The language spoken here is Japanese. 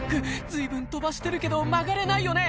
随分飛ばしてるけど曲がれないよね？